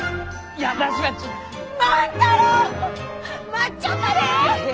待っちょったで！